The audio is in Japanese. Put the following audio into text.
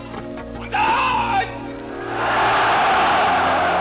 万歳！